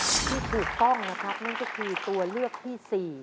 ที่ถูกต้องนะครับนั่นก็คือตัวเลือกที่๔